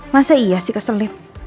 masa iya sih keselip